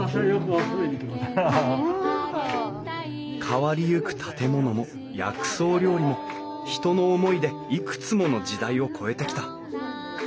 変わりゆく建物も薬草料理も人の思いでいくつもの時代を超えてきた。